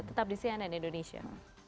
tetap di cnn indonesia